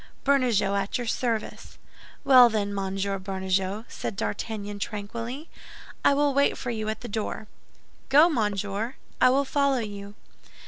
"Bernajoux, at your service." "Well, then, Monsieur Bernajoux," said D'Artagnan, tranquilly, "I will wait for you at the door." "Go, monsieur, I will follow you."